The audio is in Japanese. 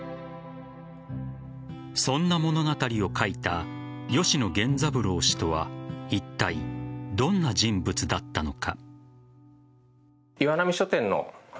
そんな物語を書いた吉野源三郎氏とはいったい、どんな人物だったのか。